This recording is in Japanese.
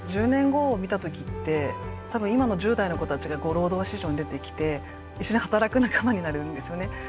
１０年後を見たときってたぶん今の１０代の子たちが労働市場に出てきて一緒に働く仲間になるんですよね。